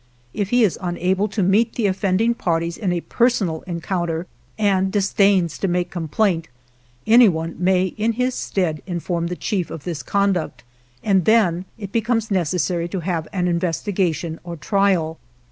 If he is unable to meet the offending parties in a personal encounter, and disdains to make complaint, anyone may in his stead inform the chief of this conduct, and then it becomes necessary to have an investigation or trial.